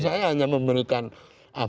saya hanya memberikan pandangan